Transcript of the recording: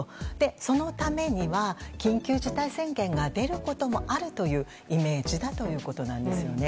そのためには緊急事態宣言が出ることもあるというイメージだということです。